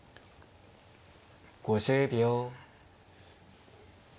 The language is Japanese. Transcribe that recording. ５０秒。